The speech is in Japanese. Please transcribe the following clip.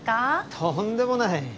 とんでもない。